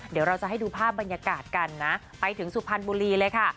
เดี๋ยวเราจะให้ดูภาพบรรยากาศกันนะไปถึงสุพรรณบุรีเลยค่ะ